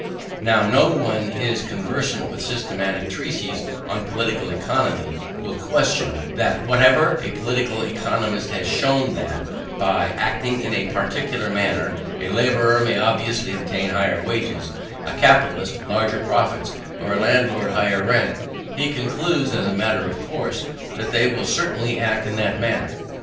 Now, no one who is conversant with systematic treatises on Political Economy will question, that whenever a political economist has shown that, by acting in a particular manner, a labourer may obviously obtain higher wages, a capitalist larger profits, or a landlord higher rent, he concludes, as a matter of course, that they will certainly act in that manner.